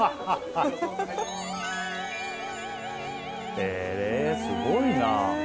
へえすごいなあ。